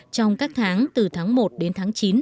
trong các tháng từ tháng một đến tháng chín